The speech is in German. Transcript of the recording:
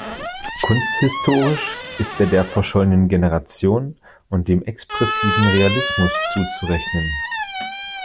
Kunsthistorisch ist er der Verschollenen Generation und dem Expressiven Realismus zuzurechnen.